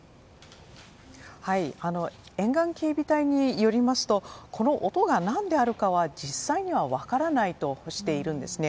沿岸警備隊によりますとこの音が何であるかは実際には分からないとしているんですね。